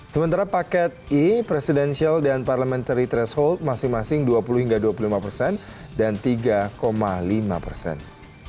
sementara paket i presidential dan parliamentary threshold masing masing dua puluh hingga dua puluh lima persen dan tiga lima persen